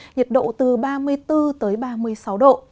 nhiệt độ từ ba mươi bốn ba mươi sáu độ